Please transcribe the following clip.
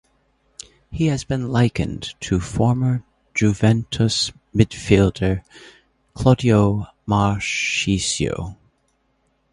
He has been likened to former Juventus midfielder Claudio Marchisio.